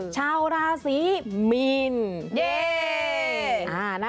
ชาวราศรีมีน